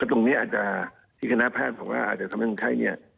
ตรงนี้อาจจะที่คณะแพทย์บอกว่าอาจจะทำให้คนไข้เนี่ย